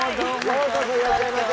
ようこそいらっしゃいませ。